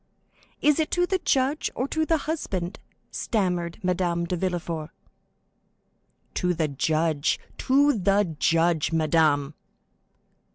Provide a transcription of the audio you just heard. "Is it to the judge or to the husband?" stammered Madame de Villefort. "To the judge—to the judge, madame!"